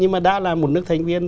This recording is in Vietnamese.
chúng ta đã là một nước thành viên